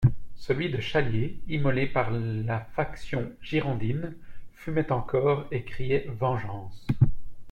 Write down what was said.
Celui de Chalier, immolé par la faction girondine, fumait encore et criait vengeance.